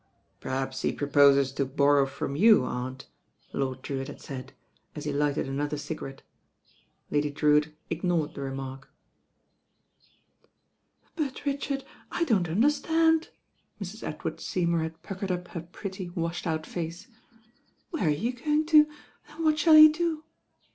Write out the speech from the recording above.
"Perhaps he proposes to borrow from you, Aunt," Lord Drewitt had said, as he lighted another ciga rette. Lady Drewitt ignored the remark. 16 THE RAIN GIRL «i 'But, Richard, I don't understand." Mrs. Ed ward Seymour had puckered up her pretty, washed out face. "Where are you going to, and what shall you do?"